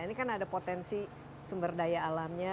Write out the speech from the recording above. ini kan ada potensi sumber daya alamnya